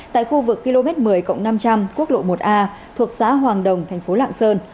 tại khu vực km một mươi năm trăm linh quốc lộ một a thuộc xã hoàng đồng thành phố lạng sơn